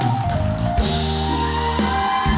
ช่างนี้มาแล้วกัน